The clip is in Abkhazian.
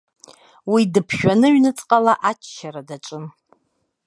Уи дыԥжәаны ҩныҵҟала аччара даҿын.